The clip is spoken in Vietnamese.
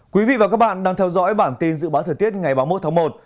quý vị và các bạn đang theo dõi bản tin dự báo thời tiết ngày ba mươi một tháng một